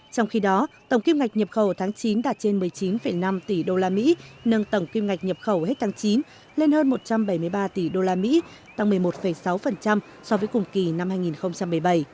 trong khi đó tổng kim ngạch nhập khẩu tháng chín đạt trên một mươi chín năm tỷ đô la mỹ nâng tổng kim ngạch nhập khẩu hết tháng chín lên hơn một trăm bảy mươi ba tỷ đô la mỹ tăng một mươi một sáu so với cùng kỳ năm hai nghìn một mươi bảy